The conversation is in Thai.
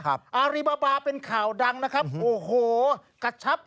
อารีบาบาเป็นข่าวดังนะครับโอ้โหกระชับ